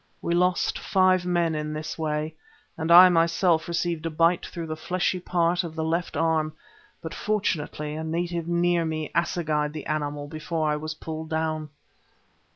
We lost five men in this way, and I myself received a bite through the fleshy part of the left arm, but fortunately a native near me assegaied the animal before I was pulled down.